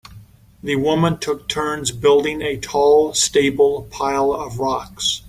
The women took turns building a tall stable pile of rocks.